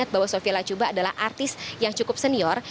bahwa sofie lacuba adalah artis yang cukup senior